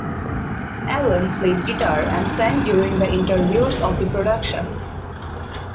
Allen played guitar and sang during the interludes of the production.